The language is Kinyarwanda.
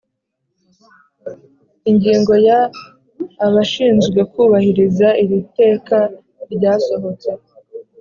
Ingingo ya Abashinzwekubahiriza iri teka ryasohotse